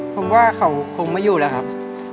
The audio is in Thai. ผมว่าเขาคงไม่อยู่แล้วครับ